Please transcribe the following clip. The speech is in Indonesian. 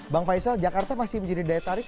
bang faisal jakarta masih menjadi daya tarik